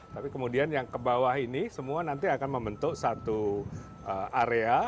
tapi kemudian yang ke bawah ini semua nanti akan membentuk satu area